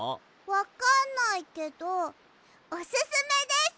わかんないけどおすすめです！